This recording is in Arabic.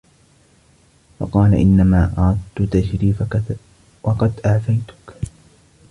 فَقَالَ إنَّمَا أَرَدْت تَشْرِيفَك وَقَدْ أَعْفَيْتُك